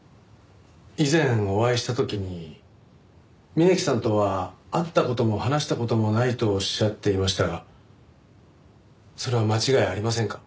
以前お会いした時に峯木さんとは会った事も話した事もないとおっしゃっていましたがそれは間違いありませんか？